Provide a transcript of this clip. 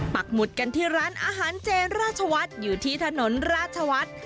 หมุดกันที่ร้านอาหารเจนราชวัฒน์อยู่ที่ถนนราชวัฒน์